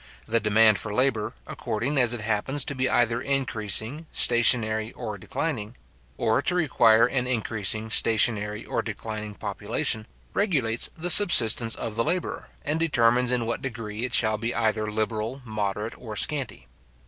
The demand for labour, according as it happens to be either increasing stationary or declining; or to require an increasing, stationary, or declining population, regulates the subsistence of the labourer, and determines in what degree it shall be either liberal, moderate, or scanty.